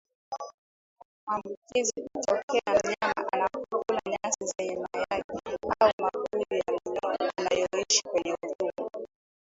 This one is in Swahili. Maambukizi hutokea mnyama anapokula nyasi zenye mayai au mabuu ya minyoo inayoishi kwenye utumbo